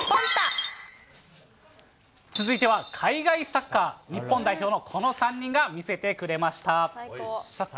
続いては海外サッカー、日本代表のこの３人が見せてくれました。